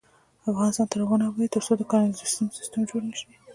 افغانستان تر هغو نه ابادیږي، ترڅو د کانالیزاسیون سیستم جوړ نشي.